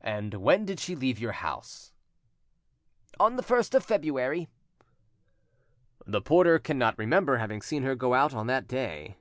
"And when did she leave your house?" "On the 1st of February." "The porter cannot remember having seen her go out on that day."